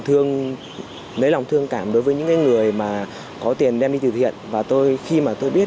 thương lấy lòng thương cảm đối với những người mà có tiền đem đi từ thiện và tôi khi mà tôi biết